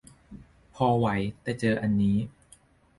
พอไหว แต่เจออันนี้